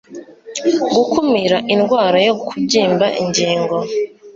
gukumira indwara yo kubyimba ingingo